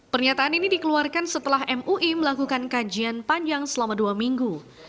pernyataan ini dikeluarkan setelah mui melakukan kajian panjang selama dua minggu